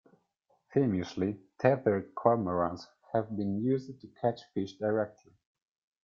Famously, tethered cormorants have been used to catch fish directly.